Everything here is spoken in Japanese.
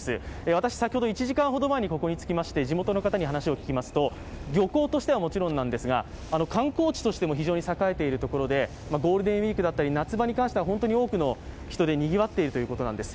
私、１時間ほど前に着きまして地元の方に話を聞きいますと漁港としてはもちろんなんですが観光地としても非常に栄えているところでゴールデンウイークだったり、夏場に関しては多くの人でにぎわっているということなんです。